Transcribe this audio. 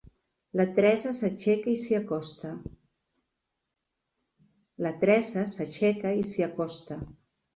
La Teresa s'aixeca i s'hi acosta.